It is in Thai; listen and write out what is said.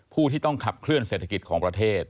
ผู้ที่ต้องขับเคลื่อเศรษฐกิจของประเทศ